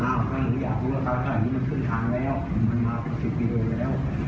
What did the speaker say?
อ้าวถ้าหนูอยากรู้ราคาเท่าไหร่นี่มันขึ้นทางแล้วมันมากว่าสิบปีเลยแล้ว